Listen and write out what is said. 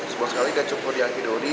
sebulan sekali gak cukup dianggap di odi